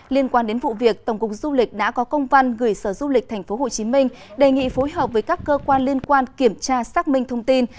liên quan đến vụ việc tổng cục du lịch đã có công văn gửi sở du lịch tp hcm đề nghị phối hợp với các cơ quan liên quan kiểm tra xác minh thông tin